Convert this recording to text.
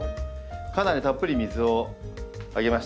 かなりたっぷり水をあげました。